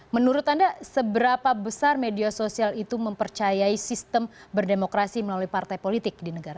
menurut anda seberapa besar media sosial itu mempercayai sistem berdemokrasi melalui partai politik di negara